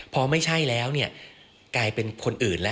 พอไม่ใช่แล้วกลายเป็นคนอื่นแล้ว